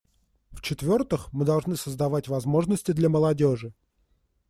В-четвертых, мы должны создавать возможности для молодежи.